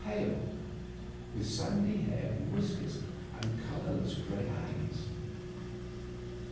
26 pale, with sandy hair and whiskers and colorless gray eyes.